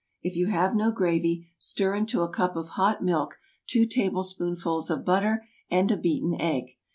If you have no gravy, stir into a cup of hot milk two tablespoonfuls of butter and a beaten egg.